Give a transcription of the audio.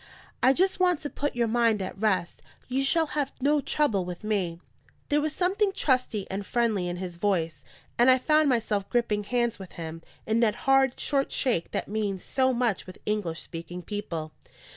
I just want to put your mind at rest: you shall have no trouble with me." There was something trusty and friendly in his voice; and I found myself gripping hands with him, in that hard, short shake that means so much with English speaking people.